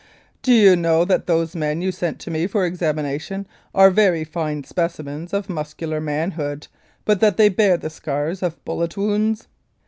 "Do you know that those men you sent to me for examination are very fine specimens of muscular man hood, but that they bear the scars of bullet wounds